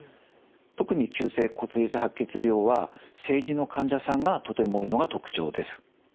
特に急性骨髄性白血病は成人の患者さんがとても多いのが特徴です。